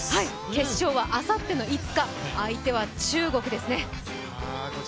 決勝はあさっての５日相手は中国ですね。